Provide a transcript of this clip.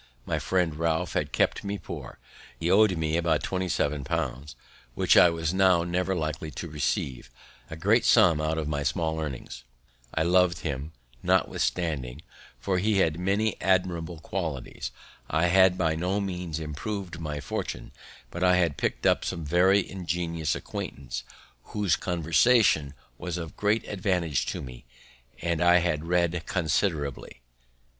My friend Ralph had kept me poor; he owed me about twenty seven pounds, which I was now never likely to receive; a great sum out of my small earnings! I lov'd him, notwithstanding, for he had many amiable qualities. I had by no means improv'd my fortune; but I had picked up some very ingenious acquaintance, whose conversation was of great advantage to me; and I had read considerably.